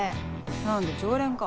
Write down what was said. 何だ常連か。